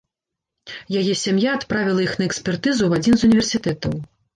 Яе сям'я адправіла іх на экспертызу ў адзін з універсітэтаў.